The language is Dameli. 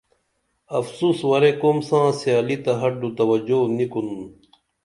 افسوس ورے قُوم ساں سیالی تہ ہڈو توجو نی کُنُن